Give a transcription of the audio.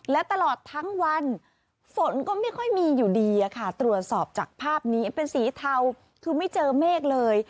และตลอดทั้งวันฝนก็ไม่ค่อยมีอยู่ดีค่ะตรวจสอบจากภาพนี้เป็นสีเทาคือไม่เจอเมฆเลย